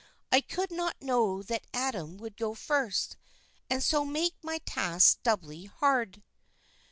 I could not know that Adam would go first, and so make my task doubly hard."